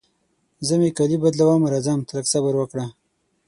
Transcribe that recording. زه مې کالي بدلوم، راځم ته لږ صبر وکړه.